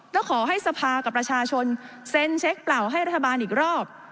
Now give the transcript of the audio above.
ก็ขอให้สภากับประชาชนเซ็นเช็คเปล่าให้รัฐบาลอีกรอบ